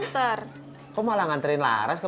terima kasih dar vietnamese